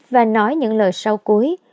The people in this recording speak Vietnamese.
và nói những lời sau cuối